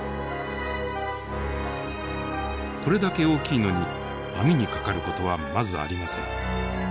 これだけ大きいのに網に掛かる事はまずありません。